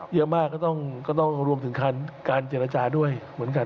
เยอะมากก็ต้องรวมถึงการเจรจาด้วยเหมือนกัน